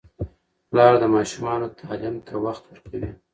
پلار د ماشومانو تعلیم ته وخت ورکوي.